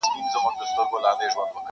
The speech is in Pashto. په ډکي هدیرې دي نن سبا په کرنتین کي.!